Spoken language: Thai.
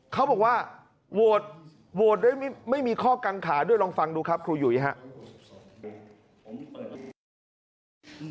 เขาบอกว่าโหวตได้ไม่มีข้อกังขาด้วยลองฟังดูครับครูหยุยครับ